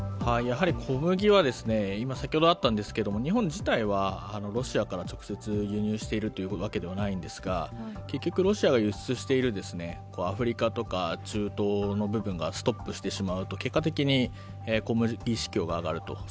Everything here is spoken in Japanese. やはり小麦は、先ほどあったんですけれども、日本自体はロシアから直接、輸入しているというわけでないんですが、結局ロシアが輸出しているアフリカとか中東の部分がストップしてしまうと結果的に小麦市況が上がると。